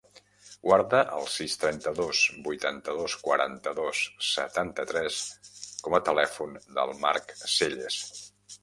Guarda el sis, trenta-dos, vuitanta-dos, quaranta-dos, setanta-tres com a telèfon del Mark Selles.